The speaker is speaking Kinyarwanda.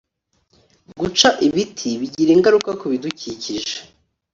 guca ibiti bigira ingaruka ku bidukikije